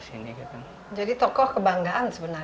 jadi tokoh kebanggaan